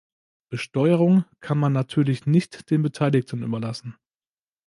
Besteuerung kann man natürlich nicht den Beteiligten überlassen.